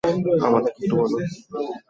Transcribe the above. আমাদেরকে একটু বলুন।